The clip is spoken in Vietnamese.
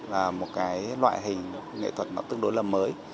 là một loại hình nghệ thuật tương đối là mới